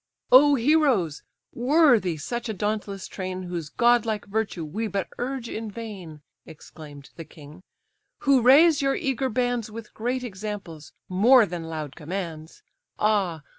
"O heroes! worthy such a dauntless train, Whose godlike virtue we but urge in vain, (Exclaim'd the king), who raise your eager bands With great examples, more than loud commands. Ah!